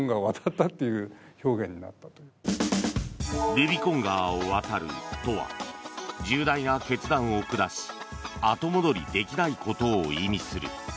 ルビコン川を渡るとは重大な決断を下し後戻りできないことを意味する。